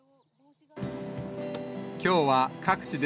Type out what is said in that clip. きょうは各地で、